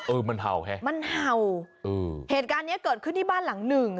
เออมันเห่าฮะมันเห่าเออเหตุการณ์เนี้ยเกิดขึ้นที่บ้านหลังหนึ่ง